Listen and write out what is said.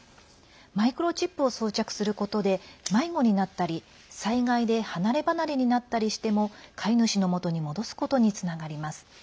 マイクロチップを装着することで迷子になったり災害で離れ離れになったりしても飼い主のもとに戻すことにつながります。